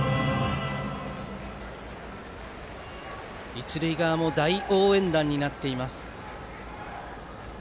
一塁側も大応援団になっています。